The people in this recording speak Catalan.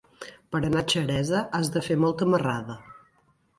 Per anar a Xeresa has de fer molta marrada.